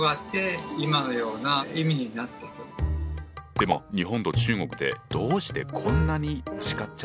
でも日本と中国でどうしてこんなに違っちゃったんだ？